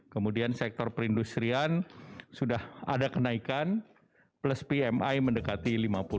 kemudian sektor perindustrian sudah ada kenaikan plus pmi mendekati lima puluh